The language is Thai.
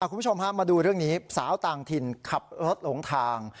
คุณผู้ชมฮะมาดูเรื่องนี้สาวต่างถิ่นขับรถหลงทาง